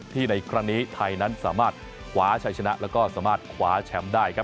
ในครั้งนี้ไทยนั้นสามารถคว้าชัยชนะแล้วก็สามารถคว้าแชมป์ได้ครับ